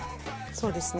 そうですね